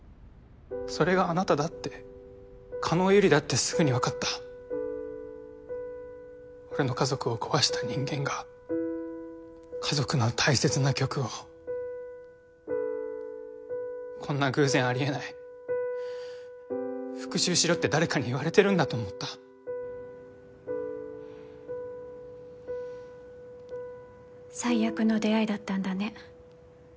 それがあなただって叶百合だってすぐに分かった俺の家族を壊した人間が家族の大切な曲をこんな偶然ありえない復讐しろって誰かに言われてるんだと思った最悪の出会いだったんだね